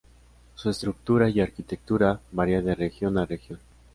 Su estructura y arquitectura varía de región a región.